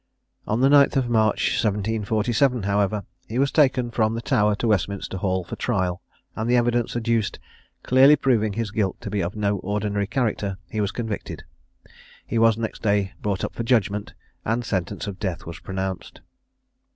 On the 9th March 1747, however, he was taken from the Tower to Westminster Hall for trial, and the evidence adduced clearly proving his guilt to be of no ordinary character, he was convicted. He was next day brought up for judgment, and sentence of death was pronounced.